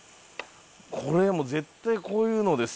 これはもう絶対こういうのですよ。